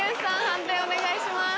判定お願いします。